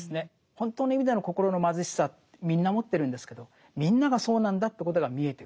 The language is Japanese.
本当の意味での心の貧しさってみんな持ってるんですけどみんながそうなんだということが見えてくる。